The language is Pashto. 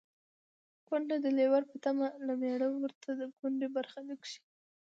کونډه د لېوره په تمه له مېړه ووته د کونډې برخلیک ښيي